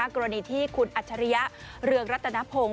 กรณีที่คุณอัจฉริยะเรืองรัตนพงศ์